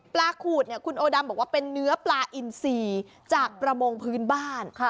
ขูดเนี่ยคุณโอดำบอกว่าเป็นเนื้อปลาอินซีจากประมงพื้นบ้าน